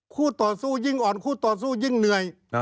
คู่ต่อสู้ยิ่งอ่อนคู่ต่อสู้ยิ่งเหนื่อย